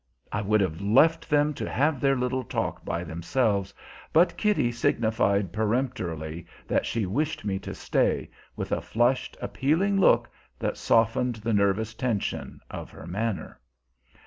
I would have left them to have their little talk by themselves, but Kitty signified peremptorily that she wished me to stay, with a flushed, appealing look that softened the nervous tension of her manner.